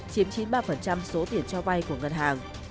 chiếm chín mươi ba số tiền cho vay của ngân hàng